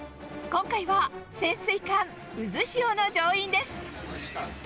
今回は潜水艦うずしおの乗員です。